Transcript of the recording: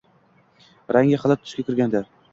Rangi g`alat tusga kirgandi